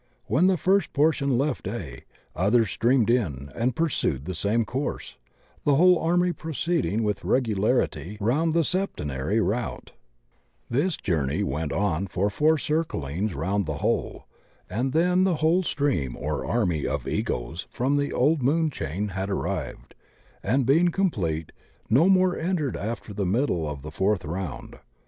When the fijrst portion left A, others streamed in and pursued the same course, the whole army proceeding with regularity round the septenary route. 26 THE OCEAN OF THEOSOPHY This journey went on for four circlings round the whole, and then the whole stream or army of Egos from the old Moon Chain had arrived, and being com plete, no more entered after the middle of the Fourth Round.